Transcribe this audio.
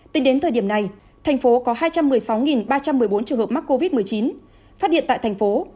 tính đến thời điểm này thành phố có hai trăm một mươi sáu ba trăm một mươi bốn trường hợp mắc covid một mươi chín phát điện tại thành phố